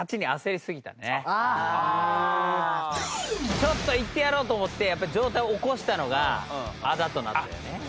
ちょっといってやろうと思って上体を起こしたのが仇となったよね。